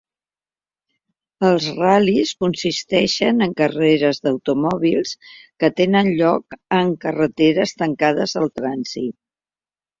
Els ral·lis consisteixen en carreres d'automòbils que tenen lloc en carreteres tancades al trànsit.